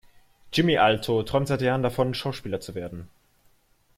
Jimmy Alto träumt seit Jahren davon, Schauspieler zu werden.